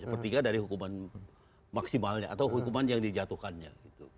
sepertiga dari hukuman maksimalnya atau hukuman yang dijatuhkannya